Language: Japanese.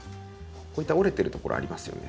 こういった折れてる所ありますよね。